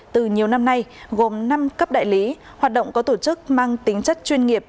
từ nhiều năm nay gồm năm cấp đại lý hoạt động có tổ chức mang tính chất chuyên nghiệp